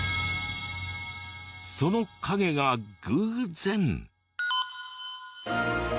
その影が偶然。